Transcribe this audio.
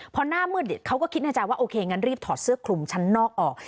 พอหน้ามืดเขาก็คิดในใจว่าโอเคงั้นรีบถอดเสื้อคลุมชั้นนอกออก